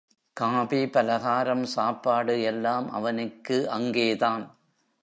Coffee, பலகாரம், சாப்பாடு எல்லாம் அவனுக்கு அங்கேதான்.